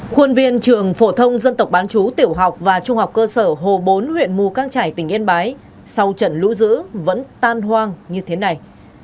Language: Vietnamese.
khuôn viên trường phổ thông dân tộc bán chú tiểu học và trung học cơ sở hồ bốn huyện mù căng trải tỉnh yên bái sau trận lũ dữ vẫn tan hoang như thế này